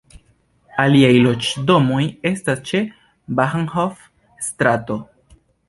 Aliaj loĝdomoj estas ĉe Bahnhof-strato.